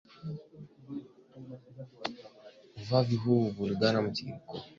Uvamizi huu ulivuruga mtiririko wa usambazaji na kupanda kwa gharama kote duniani